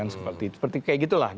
seperti kayak gitu lah